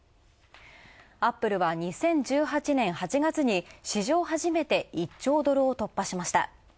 アップルは２０１８年８月に市場初めて１兆ドルを突破しました。